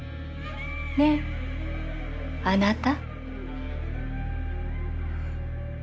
ねぇあなた？